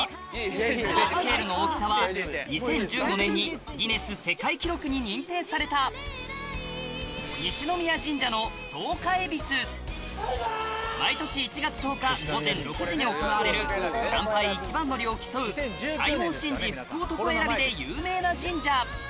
そのスケールの大きさは２０１５年にギネス世界記録に認定された毎年１月１０日午前６時に行われる参拝一番乗りを競うで有名な神社